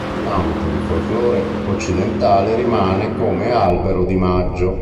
In ambito di folclore occidentale rimane come Albero di Maggio.